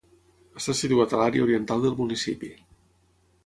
Està situat a l'àrea oriental del municipi.